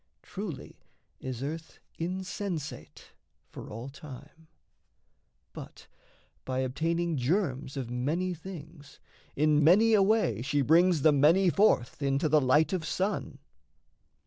Truly is earth insensate for all time; But, by obtaining germs of many things, In many a way she brings the many forth Into the light of sun.